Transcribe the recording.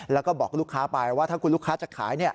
แล้วก็บอกลูกค้าไปว่าถ้าคุณลูกค้าจะขาย